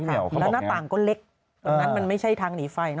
แล้วหน้าต่างก็เล็กตรงนั้นมันไม่ใช่ทางหนีไฟนะ